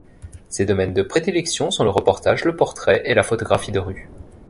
Ses domaines de prédilection sont le reportage, le portrait, et la photographie de rue.